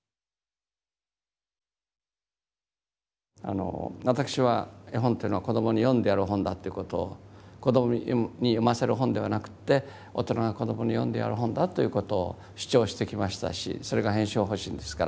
あの私は絵本っていうのは子どもに読んでやる本だっていうことを子どもに読ませる本ではなくって大人が子どもに読んでやる本だということを主張してきましたしそれが編集方針ですから。